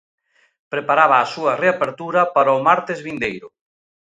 Preparaba a súa reapertura para o martes vindeiro.